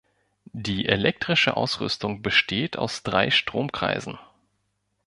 Die elektrische Ausrüstung besteht aus drei Stromkreisen.